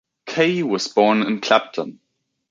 Kaye was born in Clapton.